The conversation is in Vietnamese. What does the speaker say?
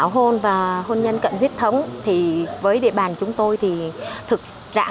hơ buôn cờ rôn huyện trước quynh tỉnh đắk lắk